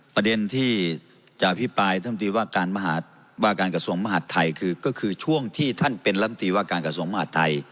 ประเด็นที่จะอภิปรายท่านตีว่าการว่าการกระทรวงมหาดไทยคือก็คือช่วงที่ท่านเป็นลำตีว่าการกระทรวงมหาดไทย